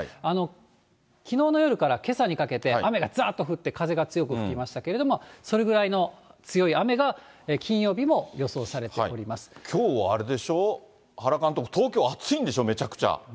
きのうの夜からけさにかけて、雨がざーっと降って、風が強く吹きましたけれども、それぐらいの強い雨が金曜日も予想されておりきょうはあれでしょ、原監督、東京は暑いんでしょ、めちゃくちゃ。